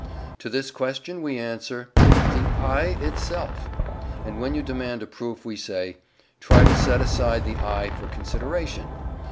To this question we answer "THE 'I' ITSELF." And when you demand a proof we say, "Try to set aside the 'I' for consideration!"